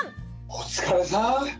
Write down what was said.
お疲れさん！